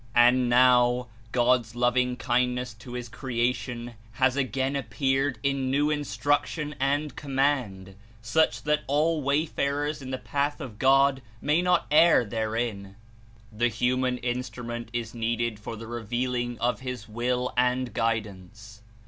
And now, God's loving kindness to his creation has again appeared in new Instruction and command, such that all "wayfarers" in the path of God may not err therein. The human instrument Is needed for the reveahng 163 of his Will and Guidance.